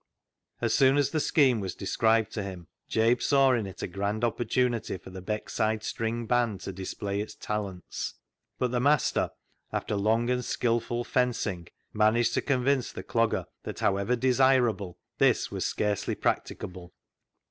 As soon as the scheme was described to him Jabe saw in it a grand opportunity for the Beckside string band to display its talents, but the master, after long and skilful fencing, managed to convince the Clogger that, however desirable, this was scarcely practicable.